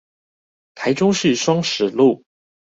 台中市雙十路